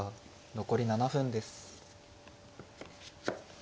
残り７分です。